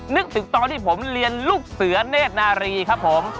นึกถึงตอนที่ผมเรียนลูกเสือเนธนารีครับผม